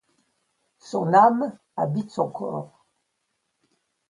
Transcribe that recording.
Son âme habite son corps.